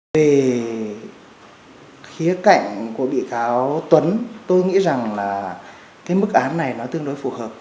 về khía cạnh của bị cáo tuấn tôi nghĩ rằng là cái mức án này nó tương đối phù hợp